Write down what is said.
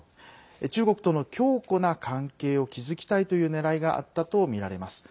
中国との強固な関係を築きたいというねらいがあったとみられます。